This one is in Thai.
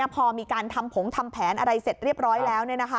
พอมีการทำผงทำแผนอะไรเสร็จเรียบร้อยแล้ว